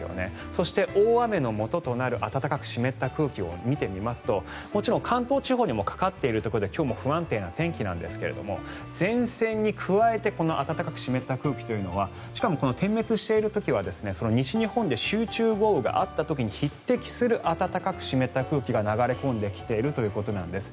そして、大雨のもととなる暖かく湿った空気を見てみますともちろん関東地方にかかっていて今日も不安定な天気なんですが前線に加えてこの暖かく湿った空気というのはしかも点滅している時は西日本で集中豪雨があった時に匹敵する暖かく湿った空気が入ってきているということなんです。